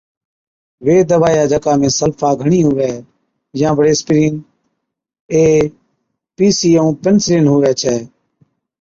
وي دَوائِيا جڪا ۾ سلفا گھڻِي هُوَي يان بڙي اِسپرِين اي، پِي سِي ائُون پنسلين هُوَي ڇَي۔